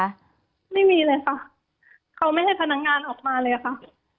ไม่มีเลยค่ะเขาไม่ให้พนักงานออกมาเลยค่ะ